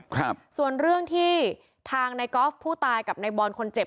ครับส่วนเรื่องที่ทางในกอล์ฟผู้ตายกับในบอลคนเจ็บ